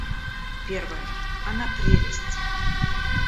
Первое — она прелесть!